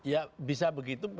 ya bisa begitu